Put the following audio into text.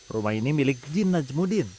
rumah ini milik jin najmudin